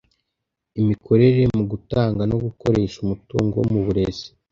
imikorere mugutanga no gukoresha umutungo muburezi